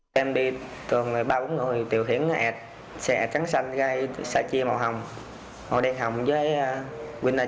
chúng tôi đi thường ba bốn người tiểu khiển xe trắng xanh xe chia màu hồng màu đen hồng với winner trắng